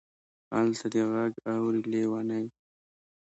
الته دې غږ اوري لېونۍ.